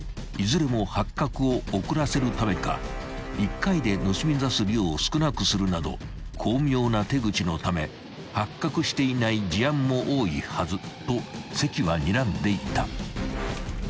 ［いずれも発覚を遅らせるためか１回で盗み出す量を少なくするなど巧妙な手口のため発覚していない事案も多いはずと関はにらんでいた］